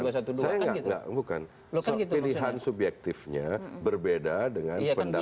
bukan bukan saya nggak bukan pilihan subjektifnya berbeda dengan pendapat umum